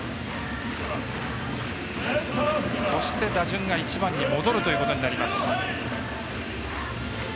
そして、打順が１番に戻るということになります。